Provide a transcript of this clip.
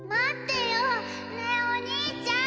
ねえお兄ちゃん！